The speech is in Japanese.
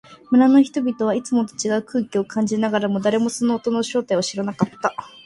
村の人々はいつもと違う空気を感じながらも、誰もその音の正体を知らなかった。